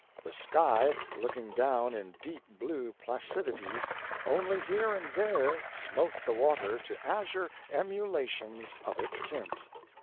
The sky, looking down in deep blue placidities, only here and there smote the water to azure emulations of its tint.